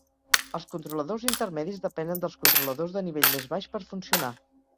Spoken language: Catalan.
Els controladors intermedis depenen dels controladors de nivell més baix per funcionar.